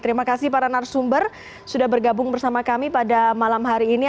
terima kasih para narasumber sudah bergabung bersama kami pada malam hari ini